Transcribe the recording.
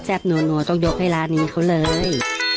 แจ๊บหนัวโด๊กให้ร้านนี้เขาเลย